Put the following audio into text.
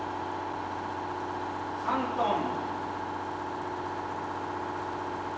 ３トン。